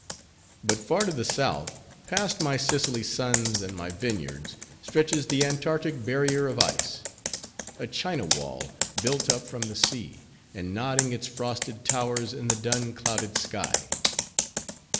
But far to the South, past my Sicily suns and my vineyards, stretches the Antarctic barrier of ice: a China wall, built up from the sea, and nodding its frosted towers in the dun, clouded sky.